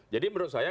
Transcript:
jadi menurut saya